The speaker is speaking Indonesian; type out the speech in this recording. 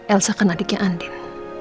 elsa kan adiknya andien